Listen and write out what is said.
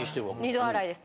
二度洗いです。